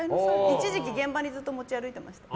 一時期現場にずっと持ち歩いてました。